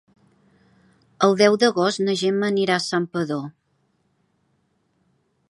El deu d'agost na Gemma anirà a Santpedor.